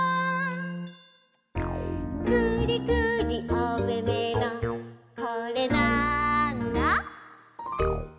「くりくりおめめのこれ、なんだ？」